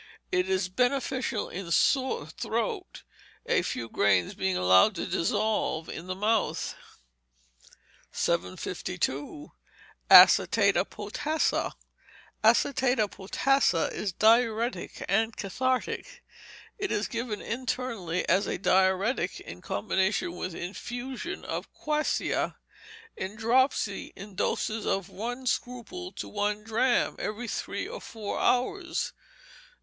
It is beneficial in sore throat, a few grains being allowed to dissolve in the mouth. 752. Acetate of Potassa Acetate of Potassa is diuretic and cathartic. It is given internally as a diuretic, in combination with infusion of quassia; in dropsy, in doses of from one scruple to one drachm, every three or four hours.